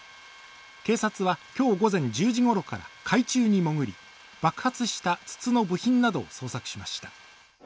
警察は今日午前１０時ごろから海中に潜り爆発した筒の部品などを捜索しました。